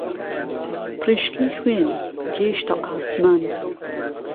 پڕیشکەی خوێن گهیشته عاسمان